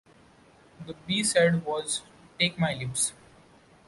The B-side was "Take My Lips".